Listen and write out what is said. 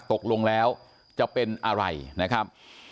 ตกลงแล้วจะเป็นอะไรนะครับ